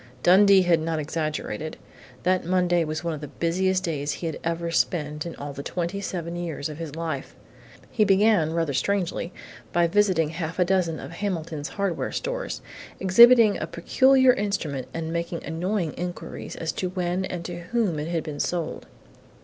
Dundee had not exaggerated. That Monday was one of the busiest days he had ever spent in all the twenty seven years of his life. He began, rather strangely, by visiting half a dozen of Hamilton's hardware stores, exhibiting a peculiar instrument and making annoying inquiries as to when and to whom it had been sold.